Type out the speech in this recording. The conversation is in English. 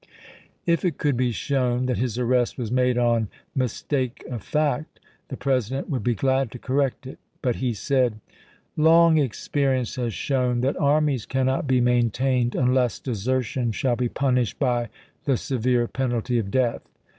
If it could be shown that his arrest was made on mistake of fact, the President would be glad to correct it. But he said : Long experience has shown that armies cannot be maintained unless desertion shall be punished by the severe penalty of death.